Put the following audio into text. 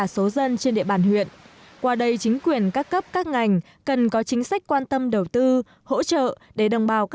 xin chuyển sang phần tin thế giới